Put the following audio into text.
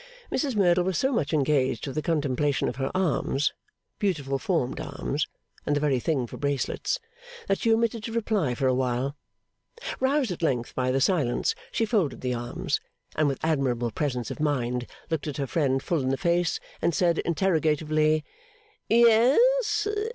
Mrs Merdle was so much engaged with the contemplation of her arms (beautiful formed arms, and the very thing for bracelets), that she omitted to reply for a while. Roused at length by the silence, she folded the arms, and with admirable presence of mind looked her friend full in the face, and said interrogatively, 'Ye es?